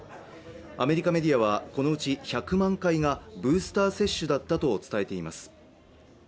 アメリカメディアはこのうち１００万回がブースター接種だったと伝えています